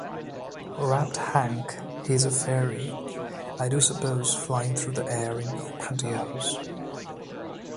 Rapped Hank: He's a fairy, I do suppose, flying through the air in pantyhose.